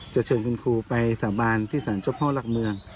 เชิญคุณครูไปสาบานที่สารเจ้าพ่อหลักเมือง